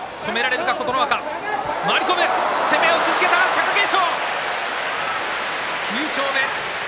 貴景勝９勝目。